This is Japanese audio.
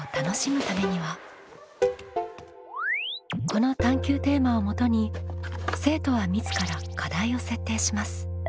この探究テーマをもとに生徒は自ら課題を設定します。